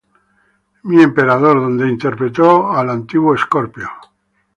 My Emperor donde interpretó al antiguo Scorpio.